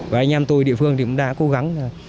và anh em tôi địa phương thì cũng đã cố gắng